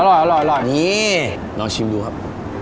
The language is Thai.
อร่อยนี่ลองชิมดูครับ